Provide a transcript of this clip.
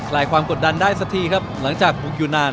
ลายความกดดันได้สักทีครับหลังจากบุกอยู่นาน